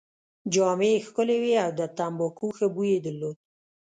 جامې يې ښکلې وې او د تمباکو ښه بوی يې درلود.